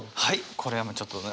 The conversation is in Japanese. これはもうちょっとね